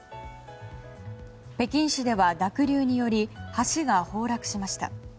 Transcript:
北京市では濁流により橋が崩落しました。